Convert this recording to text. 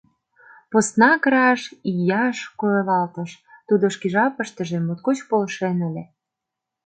Поснак раш Ийаш койылалтыш, тудо шке жапыштыже моткоч полшен ыле.